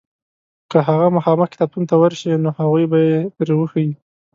که هغه مخامخ کتابتون ته ورشې نو هغوی به یې در وښیي.